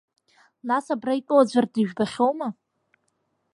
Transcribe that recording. Нас абра итәоу аӡәыр дыжәбахьоума?